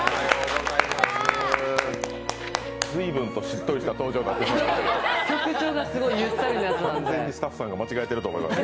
随分としっとりした登場になってますが。